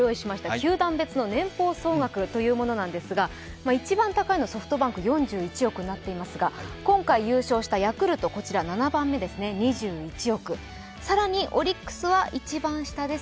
球団別の年俸総額なんですが一番高いのはソフトバンク、４１億となっていますが今回優勝したヤクルトは７番目２１億、更にオリックスは一番下です。